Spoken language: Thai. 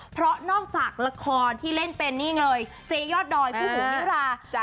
เพราะนอกจากละครที่เล่นเป็นนี่เลยเจยอดดอยคู่หูนิรา